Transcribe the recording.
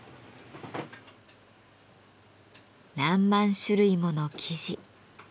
何万種類もの生地。